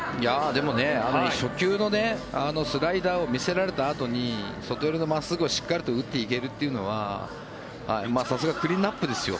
でも初球のスライダーを見せられたあとに外寄りの真っすぐをしっかり打っていけるのはさすがクリーンアップですよ。